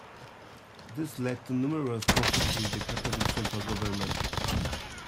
This led to numerous conflicts with the Catholic central government.